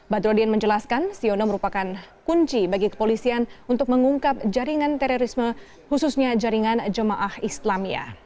badrodin menjelaskan siono merupakan kunci bagi kepolisian untuk mengungkap jaringan terorisme khususnya jaringan jemaah islamia